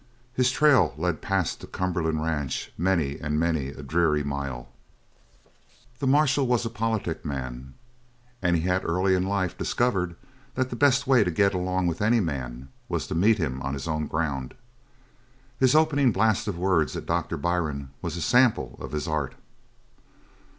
His trail led past the Cumberland Ranch many and many a dreary mile. The marshal was a politic man, and he had early in life discovered that the best way to get along with any man was to meet him on his own ground. His opening blast of words at Doctor Byrne was a sample of his art.